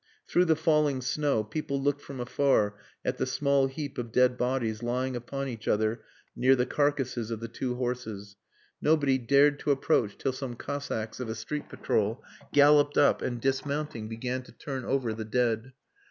Through the falling snow people looked from afar at the small heap of dead bodies lying upon each other near the carcases of the two horses. Nobody dared to approach till some Cossacks of a street patrol galloped up and, dismounting, began to turn over the dead.